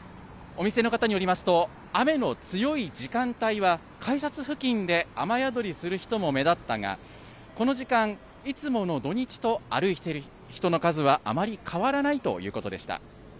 お店の方によりますと雨の強い時間帯は改札付近で雨宿りする人も目立ったがこの時間いつもの土日と歩いてる人の数はあまり変わらないということでした。